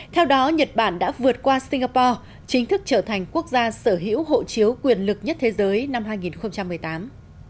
theo đó nhật bản đã vượt qua singapore chính thức trở thành quốc gia sở hữu hộ chiếu quyền lực nhất thế giới năm hai nghìn một mươi tám